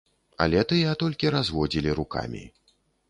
Але тыя толькі разводзілі рукамі.